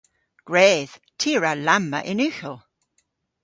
Gwredh! Ty a wra lamma yn ughel!